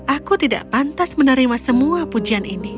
aku tidak pantas menerima semua pujian ini